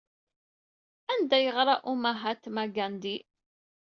Anda ay yeɣra umahatma Gandhi?